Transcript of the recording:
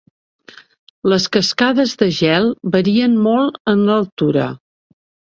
Les cascades de gel varien molt en l'altura.